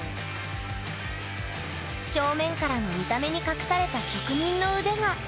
正面からの見た目に隠された職人の腕がそこにあった。